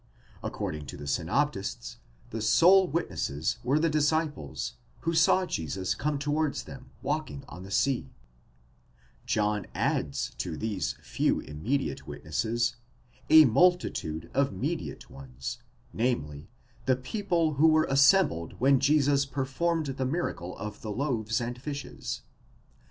According to the synoptists, the sole witnesses were the disciples, who saw Jesus come towards them, walking on the sea: John adds to these few immediate witnesses, a multitude of mediate ones, namely, the people who were assembled when Jesus performed the miracle of the loaves and fishes.